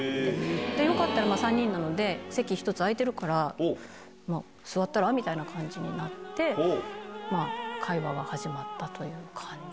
よかったら３人なので、席１つ空いてるから、座ったら？みたいな感じになって、まあ、会話が始まったという感じ